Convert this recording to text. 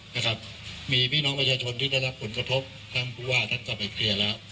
นะครับมีพี่น้องประชาชนที่ได้รับผลกระทบท่านผู้ว่าท่านก็ไปเคลียร์แล้ว